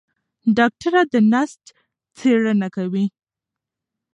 ډاکټره د نسج څېړنه کوي.